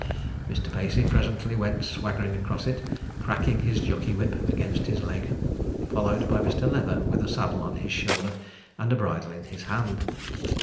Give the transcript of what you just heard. Mr. Pacey presently went swaggering across it, cracking his jockey whip against his leg, followed by Mr. Leather, with a saddle on his shoulder and a bridle in his hand.